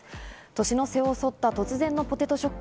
年の瀬を襲った突然のポテトショック。